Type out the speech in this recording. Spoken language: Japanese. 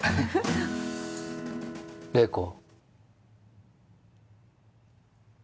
麗子。